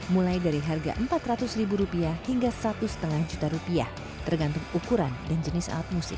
mulai dari harga rp empat ratus ribu rupiah hingga satu lima juta rupiah tergantung ukuran dan jenis alat musik